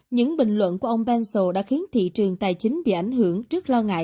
những bình luận của ông pencil đã khiến thị trường tài chính bị ảnh hưởng trước lo ngại